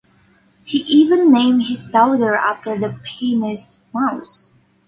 He even named his daughter after the famous mouse.